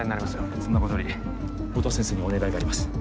そんなことより音羽先生にお願いがあります